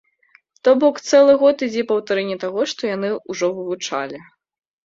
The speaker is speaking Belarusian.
То бок цэлы год ідзе паўтарэнне таго, што яны ўжо вывучалі.